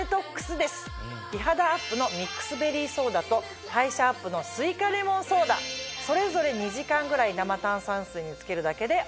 美肌アップのミックスベリーソーダと代謝アップのスイカレモンソーダそれぞれ２時間ぐらい生炭酸水に漬けるだけでＯＫです。